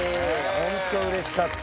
本当うれしかった。